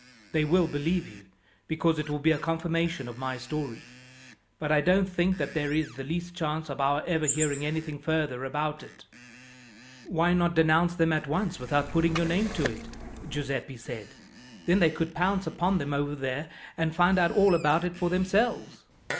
"They will believe you, because it will be a confirmation of my story; but I don't think that there is the least chance of our ever hearing anything further about it." "Why not denounce them at once without putting your name to it," Giuseppi said. "Then they could pounce upon them over there, and find out all about it for themselves?"